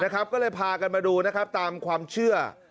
ก็เลยพากันมาดูตามความเชื่อ